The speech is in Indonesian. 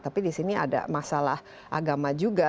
tapi di sini ada masalah agama juga